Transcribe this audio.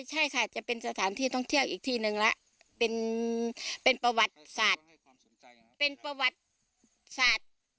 ค่ะใช่ค่ะจะเป็นสถานที่ท่องเที่ยวอีกทีนึงละเป็นประวัติศาสตร์